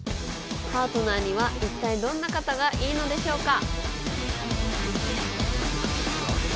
パートナーには一体どんな方がいいのでしょうか？